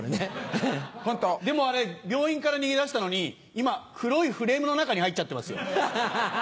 でも病院から逃げ出したのに今黒いフレームの中に入っちゃってますよ。